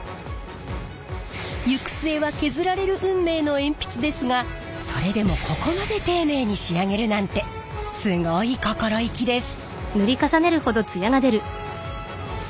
行く末は削られる運命の鉛筆ですがそれでもここまで丁寧に仕上げるなんてすごい心意気です。